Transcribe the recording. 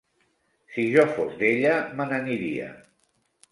Si jo fos d'ella me n'aniria.